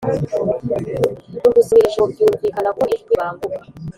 mu gusoma iri jambo byumvikana ko ijwi ribanguka